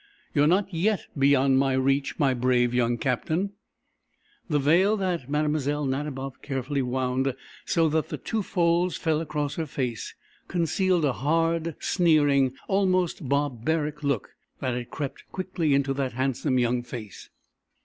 You are not yet beyond my reach, my brave young Captain!" The veil that Mlle. Nadiboff carefully wound so that two folds fell across her face concealed a hard, sneering, almost barbaric look that had crept quickly into that handsome young face.